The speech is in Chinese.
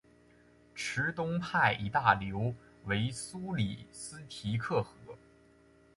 池东派一大流为苏里斯提克河。